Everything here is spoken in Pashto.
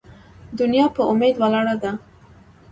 ـ دنيا په اميد ولاړه ده.